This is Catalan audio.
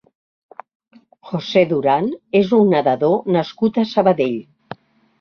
José Durán és un nedador nascut a Sabadell.